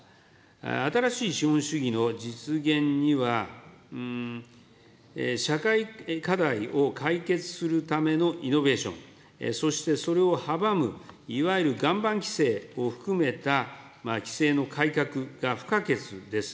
新しい資本主義の実現には、社会課題を解決するためのイノベーション、そしてそれを阻むいわゆる岩盤規制を含めた規制の改革が不可欠です。